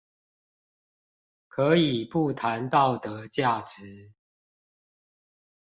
可以不談道德價值